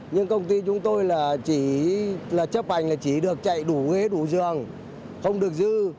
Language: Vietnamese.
nhưng công ty chúng tôi là chấp ảnh là chỉ được chạy đủ ghế đủ giường không được dư